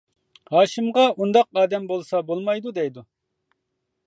ھاشىمغا ئۇنداق ئادەم بولسا بولمايدۇ، دەيدۇ.